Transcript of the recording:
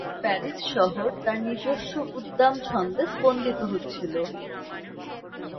Paris শহর তার নিজস্ব উদ্দাম ছন্দে স্পন্দিত হচ্ছিল।